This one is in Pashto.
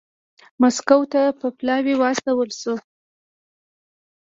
مسکو ته یو پلاوی واستول شو